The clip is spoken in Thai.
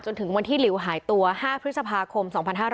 ถึงวันที่หลิวหายตัว๕พฤษภาคม๒๕๕๙